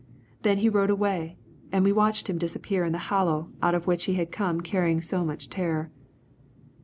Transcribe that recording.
Then he rode away, and we watched him disappear in the hollow out of which he had come carrying so much terror.